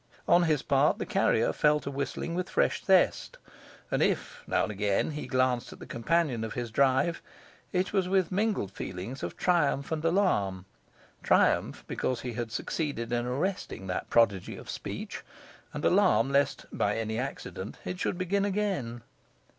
On his part the carrier fell to whistling with fresh zest; and if (now and again) he glanced at the companion of his drive, it was with mingled feelings of triumph and alarm triumph because he had succeeded in arresting that prodigy of speech, and alarm lest (by any accident) it should begin again.